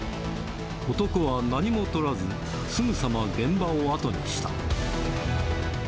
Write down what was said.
男は何もとらず、すぐさま現場を後にした。